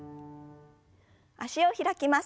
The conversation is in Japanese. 脚を開きます。